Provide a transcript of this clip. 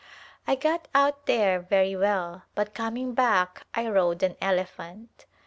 I got out there very well but coming back I rode an elephant.